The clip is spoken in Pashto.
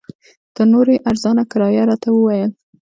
تر نورو یې ارزانه کرایه راته وویل.